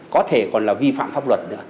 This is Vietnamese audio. có thể còn là vi phạm pháp luật